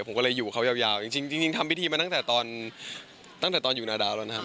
ผมก็เลยอยู่กับเขายาวจริงทำพิธีมาตั้งแต่ตอนอยู่นาดาวนานครับ